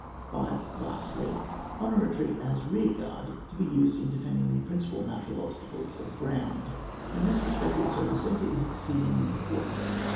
5. Lastly, on a retreat, as rearguard, to be used in defending the principal natural obstacles of ground.* In this respect also the centre is exceedingly important.